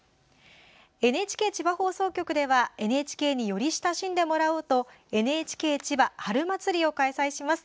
ＮＨＫ千葉放送局ではＮＨＫにより親しんでもらおうと「ＮＨＫ千葉春まつり」を開催します。